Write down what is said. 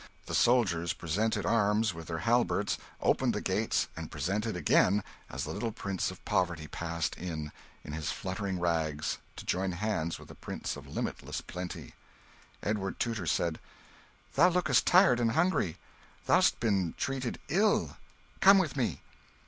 The soldiers presented arms with their halberds, opened the gates, and presented again as the little Prince of Poverty passed in, in his fluttering rags, to join hands with the Prince of Limitless Plenty. Edward Tudor said "Thou lookest tired and hungry: thou'st been treated ill. Come with me."